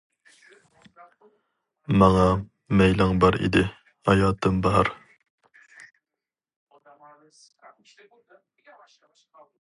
ماڭا مەيلىڭ بار ئىدى، ھاياتىم باھار.